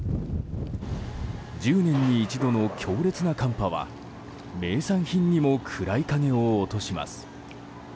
１０年に一度の強烈な寒波は名産品にも暗い影を落とします。